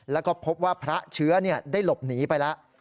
แล้วก็พบว่าพระเชื้อได้หลบหนีไปแล้ว